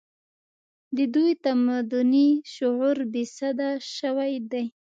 د دوی تمدني شعور بې سده شوی دی